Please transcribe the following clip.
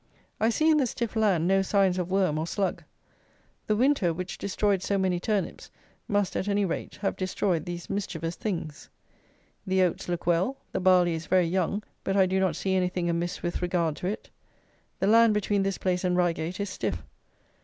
I see in the stiff land no signs of worm or slug. The winter, which destroyed so many turnips, must, at any rate, have destroyed these mischievous things. The oats look well. The barley is very young; but I do not see anything amiss with regard to it. The land between this place and Reigate is stiff.